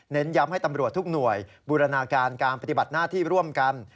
ย้ำให้ตำรวจทุกหน่วยบูรณาการการปฏิบัติหน้าที่ร่วมกัน